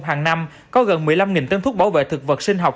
hàng năm có gần một mươi năm tân thuốc bảo vệ thực vật sinh học